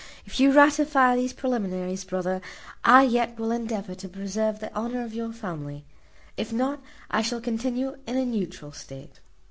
If you ratify these preliminaries, brother, I yet will endeavour to preserve the honour of your family; if not, I shall continue in a neutral state."